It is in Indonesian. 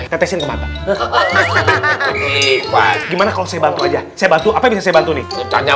gimana kalau saya bantu aja saya bantu apa bisa saya bantu nih tanya